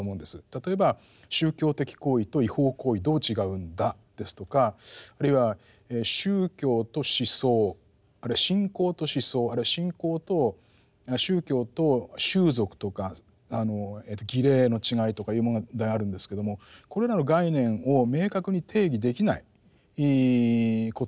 例えば宗教的行為と違法行為どう違うんだですとかあるいは宗教と思想あるいは信仰と思想あるいは信仰と宗教と習俗とか儀礼の違いとかいう問題があるんですけどもこれらの概念を明確に定義できないことがあると。